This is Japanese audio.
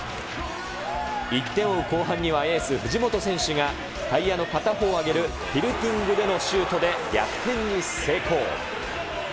１点を追う後半には、エース、藤本選手がタイヤの片方を上げるティルティングのシュートで逆転に成功。